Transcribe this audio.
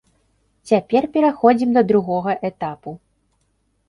Цяпер пераходзім да другога этапу.